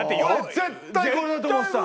絶対これだと思ってた。